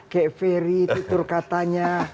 kayak ferry titur katanya